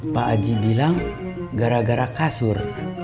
pak aji bilang gara gara kasur